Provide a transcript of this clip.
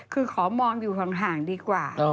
คือขอมองอยู่ห่างดีกว่า